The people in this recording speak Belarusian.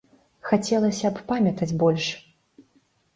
Хацелася б памятаць больш.